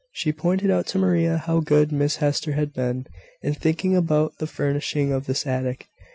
She pointed out to Maria how good Miss Hester had been, in thinking about the furnishing of this attic.